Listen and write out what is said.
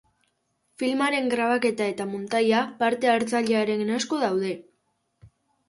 Filmaren grabaketa eta muntaia parte-hartzailearen esku daude.